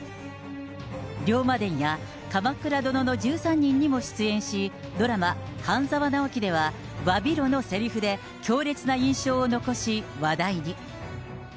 龍馬伝や鎌倉殿の１３人にも出演し、ドラマ、半沢直樹では、わびろのせりふで、強烈な印象を残し、話題に。